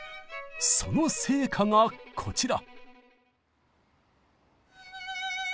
その成果がこちら！